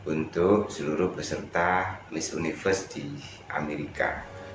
untuk seluruh peserta miss universe di amerika